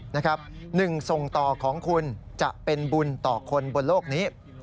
หนึ่งส่งต่อของคุณจะเป็นบุญต่อคนบนโลกนี้